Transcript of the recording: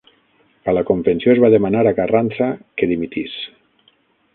A la convenció es va demanar a Carranza que dimitís.